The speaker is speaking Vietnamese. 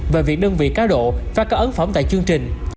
về việc đơn vị cáo độ và có ấn phẩm tại chương trình